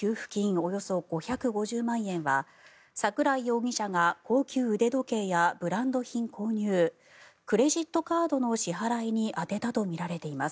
およそ５５０万円は桜井容疑者が高級腕時計やブランド品購入クレジットカードの支払いに充てたとみられています。